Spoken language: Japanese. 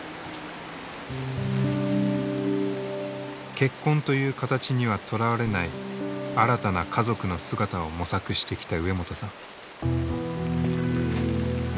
結婚という形にはとらわれない新たな家族の姿を模索してきた植本さん。